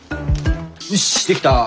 よしできた！